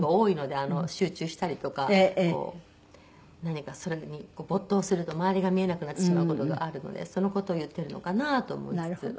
集中したりとか何かそれに没頭すると周りが見えなくなってしまう事があるのでその事を言ってるのかなと思いつつ。